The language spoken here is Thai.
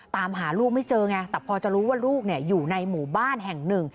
ตามหาลูกไม่เจอไงแต่พอจะรู้ว่าลูกอยู่ในหมู่บ้านแห่งหนึ่ง